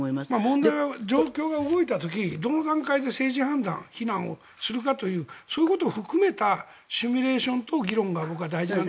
問題は状況が動いた時どの段階で政治判断、避難をするかそういうことを含めたシミュレーションと議論が大事なので。